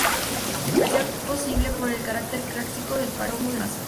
Versión posible por el carácter kárstico del Páramo de Masa.